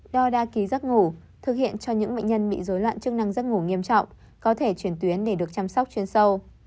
đo đa ký giấc ngủ thực hiện cho những bệnh nhân bị dối loạn chức năng giấc ngủ nghiêm trọng có thể chuyển tuyến để được chăm sóc chuyên sâu